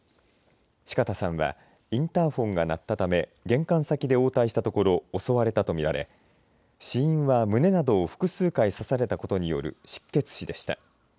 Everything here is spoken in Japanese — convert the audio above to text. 四方さんはインターフォンが鳴ったため玄関先で応対したところ襲われたと見られ死因は胸などを複数回刺されたことによる失血死でした。